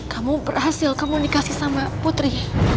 kamu berhasil komunikasi sama putri